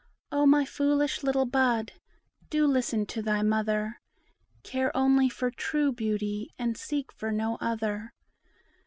O my foolish little bud, do listen to thy mother; Care only for true beauty, and seek for no other.